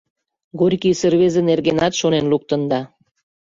Горькийысе рвезе нергенат шонен луктында.